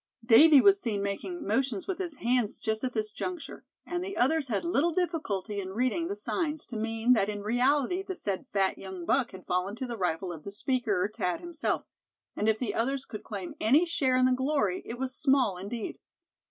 Davy was seen making motions with his hands just at this juncture, and the others had little difficulty in reading the signs to mean that in reality the said fat young buck had fallen to the rifle of the speaker, Thad, himself; and if the others could claim any share in the glory, it was small indeed.